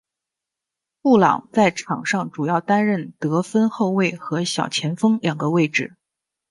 布朗在场上主要担任得分后卫和小前锋两个位置。